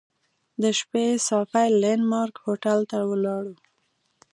د شپې صافي لینډ مارک هوټل ته ولاړو.